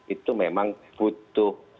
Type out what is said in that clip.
itu memang butuh